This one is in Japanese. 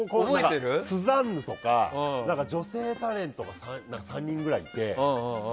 スザンヌとか女性タレント３人ぐらいいて。